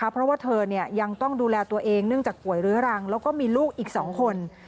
เพราะว่าเธอยังต้องดูแลตัวเองเนื่องจากป่วยเรื้อรังแล้วก็มีลูกอีก๒คน